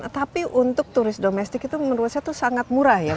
tapi untuk turis domestik itu menurut saya itu sangat murah ya